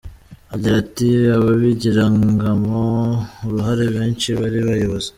Agira ati “Ababigiragamo uruhare abenshi bari abayobozi.